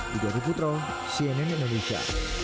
di dari putro cnn indonesia